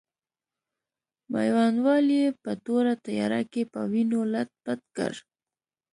میوندوال یې په توره تیاره کې په وینو لت پت کړ.